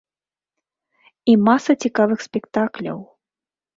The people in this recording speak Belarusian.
І маса цікавых спектакляў.